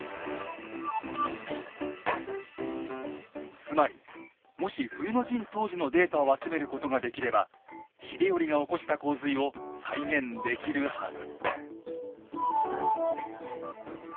つまりもし冬の陣当時のデータを集めることができれば秀頼が起こした洪水を再現できるはず。